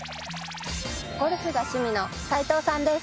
ゴルフが趣味の齊藤さんです。